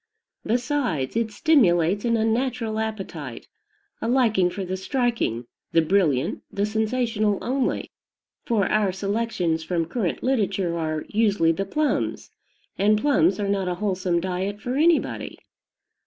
Besides, it stimulates an unnatural appetite, a liking for the striking, the brilliant, the sensational only; for our selections from current literature are, usually the "plums"; and plums are not a wholesome diet for anybody.